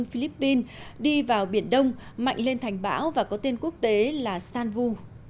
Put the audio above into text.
philippines đi vào biển đông mạnh lên thành bão và có tên quốc tế là san vu